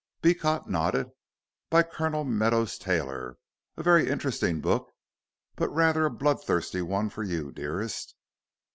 Beecot nodded. "By Colonel Meadows Taylor. A very interesting book, but rather a bloodthirsty one for you, dearest."